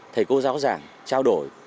thầy cô giáo giảng trao đổi